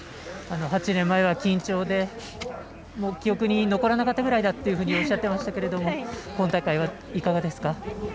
８年前は緊張で記憶に残らなかったぐらいだとおっしゃってましたけど今大会はいかがですか？